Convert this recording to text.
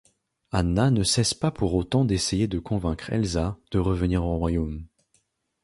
Anna ne cesse pas pour autant d'essayer de convaincre Elsa de revenir au royaume.